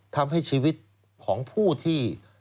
ทำให้ชีวิตของผู้ที่